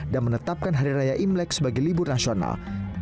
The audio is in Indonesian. dan menetapkan hari raya imlek sebagai libur nasional